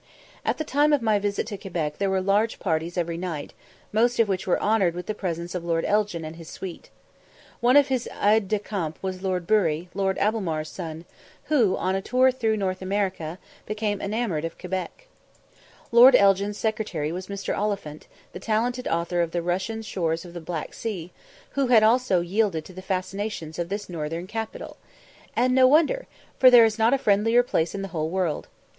At the time of my visit to Quebec there were large parties every night, most of which were honoured with the presence of Lord Elgin and his suite. One of his aides de camp was Lord Bury, Lord Albemarle's son, who, on a tour through North America, became enamoured of Quebec. Lord Elgin's secretary was Mr. Oliphant, the talented author of the 'Russian Shores of the Black Sea,' who had also yielded to the fascinations of this northern capital. And no wonder! for there is not a friendlier place in the whole world.